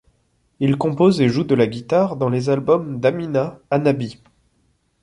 Il compose et joue de la guitare dans les albums d’Amina Annabi.